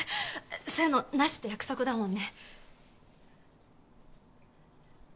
そういうのなしって約束だもんね。